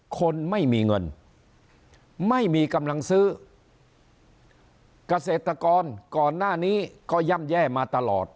คนไม่มีเงินไม่มีกำลังซื้อเกษตรกรก่อนหน้านี้ก็ย่ำแย่มาตลอด